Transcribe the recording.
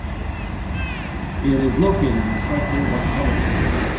It is located in the Cyclades archipelago.